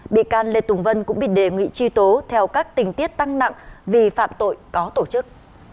bị can lê tùng vân cũng bị đề nghị truy tố theo các tình tiết tăng nặng vì phạm tội có tổ chức